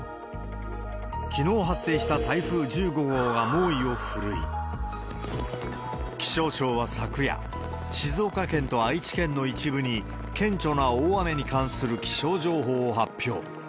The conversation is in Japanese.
きのう発生した台風１５号が猛威を振るい、気象庁は昨夜、静岡県と愛知県の一部に、顕著な大雨に関する気象情報を発表。